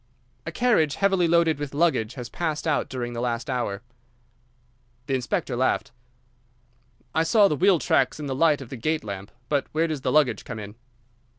"A carriage heavily loaded with luggage has passed out during the last hour." The inspector laughed. "I saw the wheel tracks in the light of the gate lamp, but where does the luggage come in?"